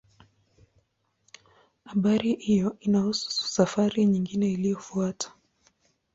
Habari hiyo inahusu safari nyingine iliyofuata.